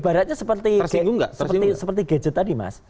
ibaratnya seperti gadget tadi mas